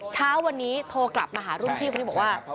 เช้าวันนี้โทรกลับมาหารุ่นพี่คนนี้บอกว่า